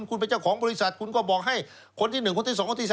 คุณเป็นเจ้าของบริษัทคุณก็บอกให้คนที่๑คนที่๒คนที่๓